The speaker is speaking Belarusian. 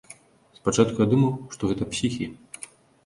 Спачатку я думаў, што гэта псіхі.